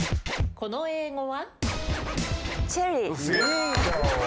この英語は？